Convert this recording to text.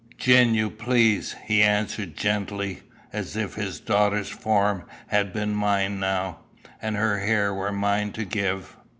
"Gin ye please," he answered gently, as if his daughter's form had been mine now, and her hair were mine to give.